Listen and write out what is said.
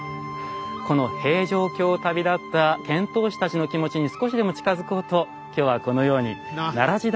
この平城京を旅立った遣唐使たちの気持ちに少しでも近づこうと今日はこのように奈良時代の貴族の格好になってみました。